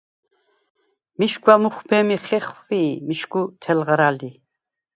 მიშგვა მუხვბე̄მი ხეხვი მიშგუ თელღრა ლი.